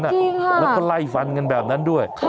จริงค่ะคุณเล่นยิงกันมั่วตัวไปแบบนั้นแล้วก็ไล่ฟันกันแบบนั้นด้วย